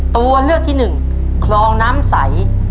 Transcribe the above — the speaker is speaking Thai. ตัวเลือกที่หนึ่งคลองน้ำใส